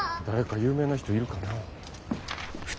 誰か有名な人いるかなあ？